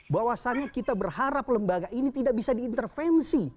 bahwasannya kita berharap lembaga ini tidak bisa diintervensi